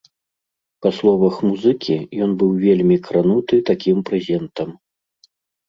Па словах музыкі, ён быў вельмі крануты такім прэзентам.